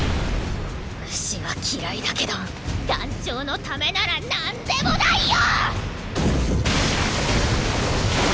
虫は嫌いだけど団長のためならなんでもないよ！